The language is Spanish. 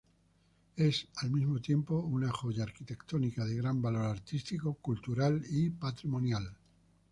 Es, al mismo tiempo, una joya arquitectónica de gran valor artístico, cultural y patrimonial.